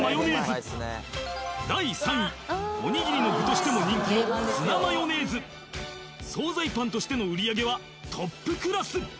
第３位おにぎりの具としても人気の惣菜パンとしての売り上げはトップクラス！